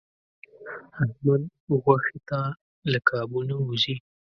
احمد غوښې ته له کابو نه و ځي.